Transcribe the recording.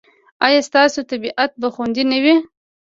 ایا ستاسو طبیعت به خوندي نه وي؟